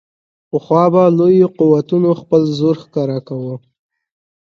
پخوا به لویو قوتونو خپل زور ښکاره کاوه.